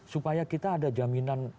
supaya kita ada jaminan